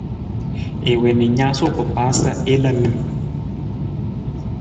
I wii na i naasuu kpakpaa sa i la nim.